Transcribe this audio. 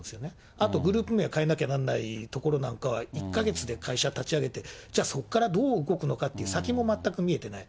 あとグループ名を変えなきゃなんないところなんかは、１か月で会社立ち上げて、じゃあそこからどう動くのかって、先も全く見えてない。